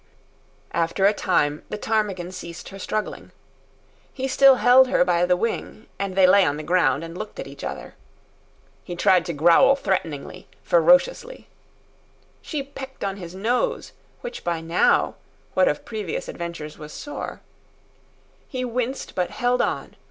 After a time, the ptarmigan ceased her struggling. He still held her by the wing, and they lay on the ground and looked at each other. He tried to growl threateningly, ferociously. She pecked on his nose, which by now, what of previous adventures was sore. He winced but held on.